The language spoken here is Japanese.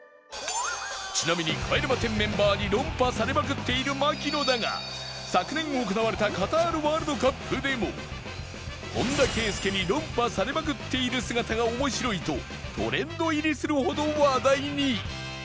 ちなみに帰れま１０メンバーに論破されまくっている槙野だが昨年行われたカタールワールドカップでも本田圭佑に論破されまくっている姿が面白いとトレンド入りするほど話題に